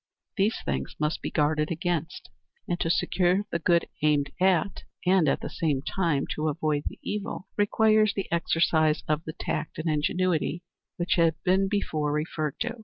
These things must be guarded against; and to secure the good aimed at, and at the same time to avoid the evil, requires the exercise of the tact and ingenuity which has before been referred to.